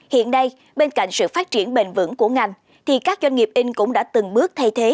hiện nay bên cạnh sự phát triển bền vững của ngành thì các doanh nghiệp in cũng đã từng bước thay thế